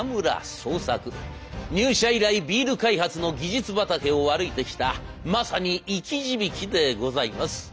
入社以来ビール開発の技術畑を歩いてきたまさに生き字引でございます。